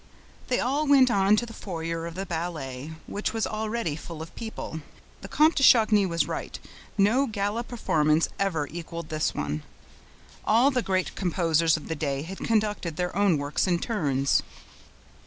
They all went on to the foyer of the ballet, which was already full of people. The Comte de Chagny was right; no gala performance ever equalled this one. All the great composers of the day had conducted their own works in turns.